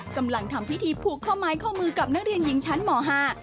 กำลังทำพิธีผูกข้อไม้ข้อมือกับนักเรียนหญิงชั้นหมอห้า